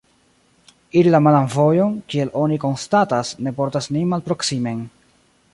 Iri la malan vojon, kiel oni konstatas, ne portas nin malproksimen.